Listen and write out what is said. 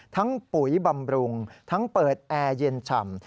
ปุ๋ยบำรุงทั้งเปิดแอร์เย็นฉ่ำ